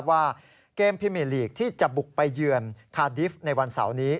ว่าเกมพิเมลีกที่จะบุกไปเยือนคาดิฟต์ในวันเสาร์นี้